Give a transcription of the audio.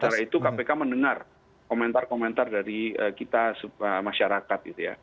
karena itu kpk mendengar komentar komentar dari kita masyarakat